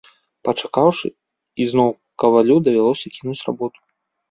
Пачакаўшы, ізноў кавалю давялося кінуць работу.